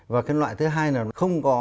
và cái loại thứ hai là không có